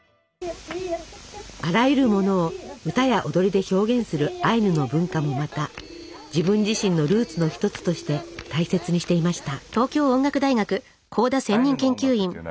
あらゆるものを歌や踊りで表現するアイヌの文化もまた自分自身のルーツの一つとして大切にしていました。